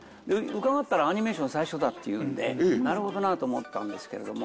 伺ったら「アニメーションは最初だ」って言うんでなるほどなと思ったんですけれども。